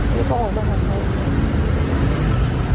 เลยพอออกมาไม่้าย